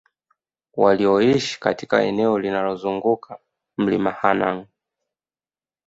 walioishi katika eneo linalozunguka Mlima Hanang